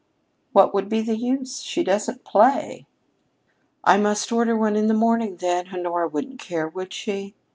"What would be the use? She doesn't play." "I must order one in the morning, then. Honora wouldn't care, would she?